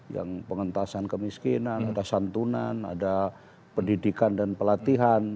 yang pengentasan kemiskinan pengentasan tunan ada pendidikan dan pelatihan